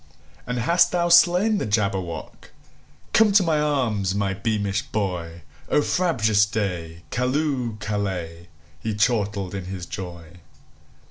"And hast thou slain the Jabberwock? Come to my arms, my beamish boy!O frabjous day! Callooh! Callay!"He chortled in his joy.